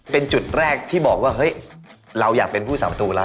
เป็นจุดแรกที่บอกว่าเฮ้ยเราอยากเป็นผู้สาประตูล่ะ